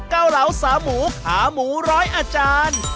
เกาเหลาสาหมูขาหมูร้อยอาจารย์